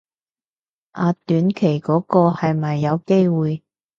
啊短期嗰個係咪有機會